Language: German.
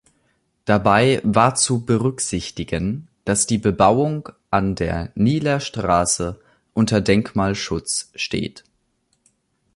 Dabei war zu berücksichtigen, dass die Bebauung an der Niehler Straße unter Denkmalschutz steht.